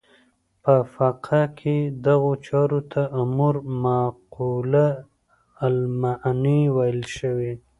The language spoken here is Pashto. په فقه کې دغو چارو ته امور معقوله المعنی ویل شوي.